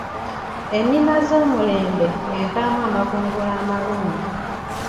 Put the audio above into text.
Ennima z'omulembe evaamu amakungula amalungi.